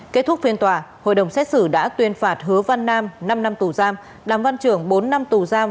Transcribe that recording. kết thúc phiên tòa hội đồng xét xử đã tuyên phạt hứa văn nam năm năm tù giam đàm văn trưởng bốn năm tù giam